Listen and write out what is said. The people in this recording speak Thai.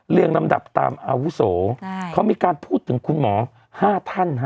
ลำดับตามอาวุโสเขามีการพูดถึงคุณหมอ๕ท่านฮะ